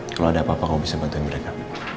kalau ada apa apa kau bisa bantuin mereka